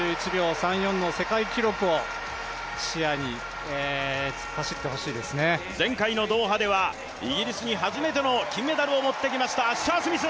２１秒３４の世界記録を視野に前回のドーハではイギリスに初めての金メダルを持ってきましたアッシャー・スミス。